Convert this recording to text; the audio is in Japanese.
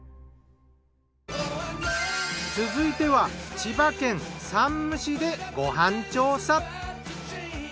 続いては千葉県山武市でご飯調査。